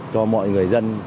cho mọi người dân